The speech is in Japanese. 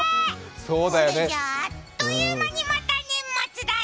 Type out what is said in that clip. これじゃ、あっという間にまた年末だよ。